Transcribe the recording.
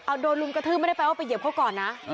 เอาโดนลุมกระทืบไม่ได้แปลว่าไปเหยียบเขาก่อนนะ